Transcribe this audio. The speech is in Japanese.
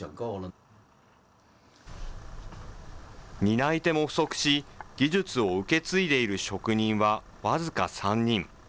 担い手も不足し、技術を受け継いでいる職人は僅か３人。